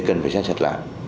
cần phải xét sạch lại